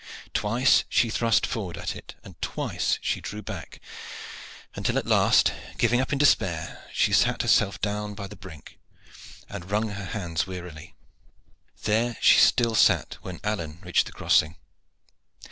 Twice she thrust forward at it, and twice she drew back, until at last, giving up in despair, she sat herself down by the brink and wrung her hands wearily. There she still sat when Alleyne reached the crossing.